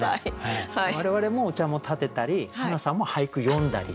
我々もお茶もたてたりはなさんも俳句詠んだり。